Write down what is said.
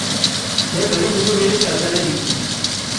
यह घड़ी मुझे मेरे चाचा ने दी थी।